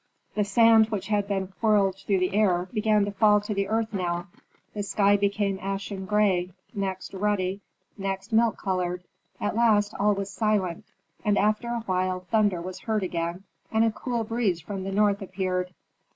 The sand which had been whirled through the air began to fall to the earth now, the sky became ashen gray, next ruddy, next milk colored. At last all was silent, and after a while thunder was heard again, and a cool breeze from the north appeared.